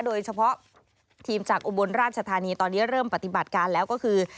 โดยเฉพาะทีมจากอุบลราชธานีตอนนี้เริ่มปฏิบัติการแล้วก็คือ